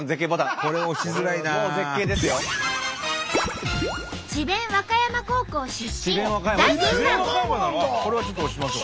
これはちょっと押しましょう。